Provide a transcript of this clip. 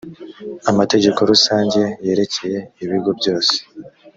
amategeko rusange yerekeye ibigo byose